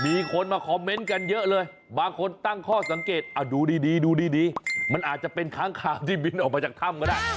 มีคนมาคอมเมนต์กันเยอะเลยบางคนตั้งข้อสังเกตดูดีดูดีมันอาจจะเป็นค้างข่าวที่บินออกมาจากถ้ำก็ได้